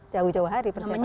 jauh jauh hari persiapannya